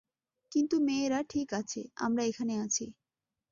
কিন্তু মেয়েরা ঠিক আছে আমরা এখানে আছি।